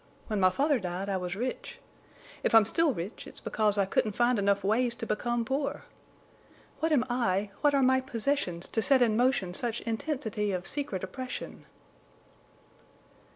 When my father died I was rich. If I'm still rich it's because I couldn't find enough ways to become poor. What am I, what are my possessions to set in motion such intensity of secret oppression?"